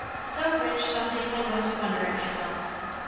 So rich, some days I 'most wonder at myself.